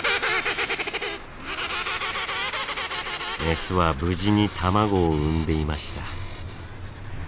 メスは無事に卵を産んでいました。